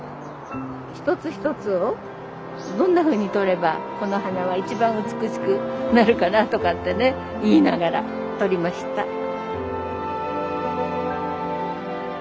一つ一つをどんなふうに撮ればこの花は一番美しくなるかなとかってね言いながら撮りました。